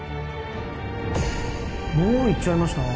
もう行っちゃいました？